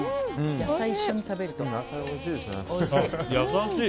野菜一緒に食べるとおいしい。